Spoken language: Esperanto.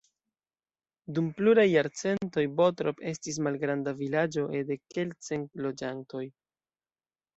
Dum pluraj jarcentoj Bottrop estis malgranda vilaĝo ede kelkcent loĝantoj.